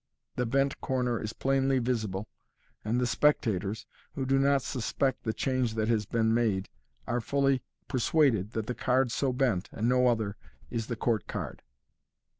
The bent corner is plainly visible, MODERN MAGIC. 77 and the spectators, who do not suspect the change that has just been made, are fully persuaded that the card so bent, and no other, is the court card.